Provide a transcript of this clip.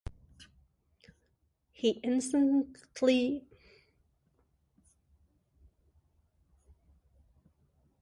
He instantly regrets it, but it's too late.